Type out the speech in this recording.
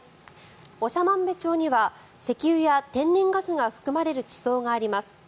長万部町には石油や天然ガスが含まれる地層があります。